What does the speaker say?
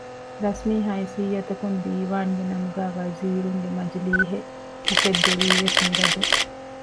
ރަސްމީ ހައިސިއްޔަތަކުން ދީވާންގެ ނަމުގައި ވަޒީރުންގެ މަޖިލީހެއް އުފެއްދެވީވެސް މި ރަދުން